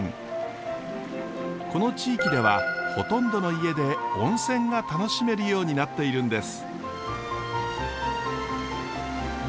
この地域ではほとんどの家で温泉が楽しめるようになっているんです。